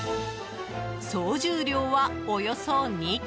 総重量はおよそ２ｋｇ！